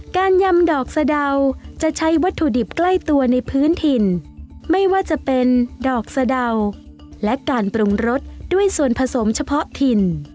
ยำดอกสะเดาจะใช้วัตถุดิบใกล้ตัวในพื้นถิ่นไม่ว่าจะเป็นดอกสะเดาและการปรุงรสด้วยส่วนผสมเฉพาะถิ่น